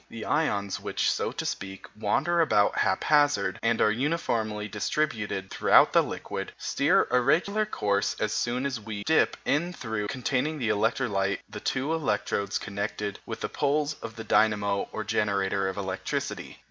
The ions which, so to speak, wander about haphazard, and are uniformly distributed throughout the liquid, steer a regular course as soon as we dip in the trough containing the electrolyte the two electrodes connected with the poles of the dynamo or generator of electricity.